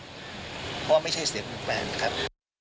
เพราะว่าไม่ใช่เสียงของแฟนครับ